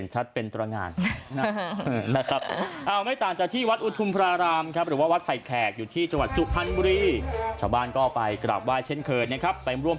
ชอบอะไรก็ได้ค่ะชอบไม่ก็มาดูได้ค่ะ